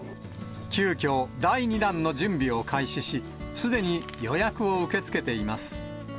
急きょ、第２弾の準備を開始し、すでに予約を受け付けています。